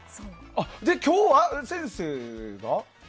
で、今日は先生が？